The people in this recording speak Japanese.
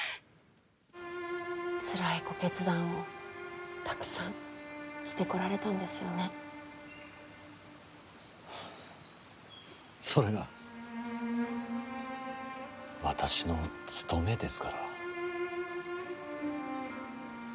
つらいご決断をたくさんしてこられたんですよね。それが私の務めですから。